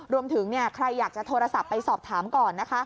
รวมถึงใครอยากจะโทรศัพท์ไปสอบถามก่อนนะคะ